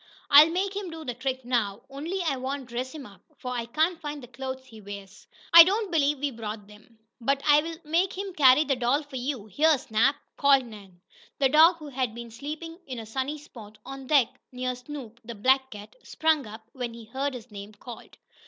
I'll make him do the trick now, only I won't dress him up, for I can't find the clothes he wears. I don't believe we brought them. But I'll make him carry the doll for you. Here, Snap!" called Nan. The dog, who had been sleeping in a sunny Spot on deck, near Snoop, the black cat, sprang up, when he heard his name called.